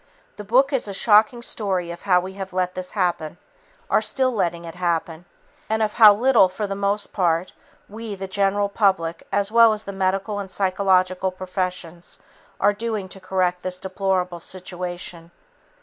The book is a shocking story of how we have let this happen; are still letting it happen; and of how little, for the most part, we, the general public as well as the medical and psychological professions, are doing to correct this deplorable situation.